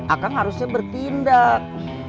akang harusnya bertindak